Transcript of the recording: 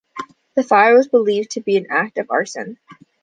The fire was believed to be an act of arson.